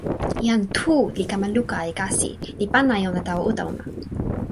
jan Tu li kama luka e kasi, li pana e ona tawa uta ona.